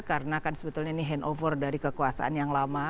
karena kan sebetulnya ini handover dari kekuasaan yang lama